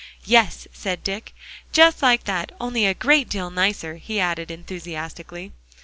"Yes," said Dick, "just like that, only a great deal nicer," he added enthusiastically.